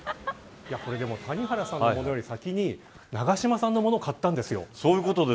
谷原さんのものより先に永島さんの物を買ったんです。